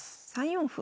３四歩。